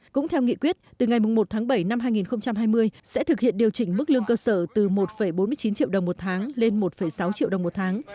cũng theo nghị quyết từ ngày một tháng bảy năm hai nghìn hai mươi sẽ thực hiện điều chỉnh mức lương cơ sở từ một bốn mươi chín triệu đồng một tháng lên một sáu triệu đồng một tháng